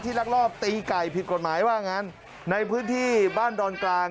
ลักลอบตีไก่ผิดกฎหมายว่างั้นในพื้นที่บ้านดอนกลาง